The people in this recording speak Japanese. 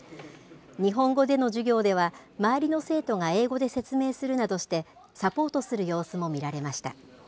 日本語での授業では、周りの生徒が英語で説明するなどしてサポートする様子も見られました。